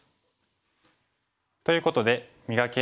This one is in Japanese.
ということで「磨け！